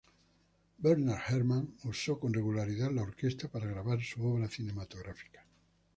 Bernard Herrmann usó con regularidad la orquesta para grabar su obra cinematográfica.